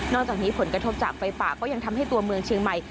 จากนี้ผลกระทบจากไฟป่าก็ยังทำให้ตัวเมืองเชียงใหม่